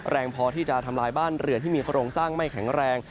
แรงพอที่จะทำลายบ้านเรือนที่มีโครงสร้างไม่แข็งแรง